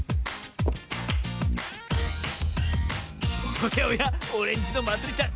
おやおやオレンジのまつりちゃん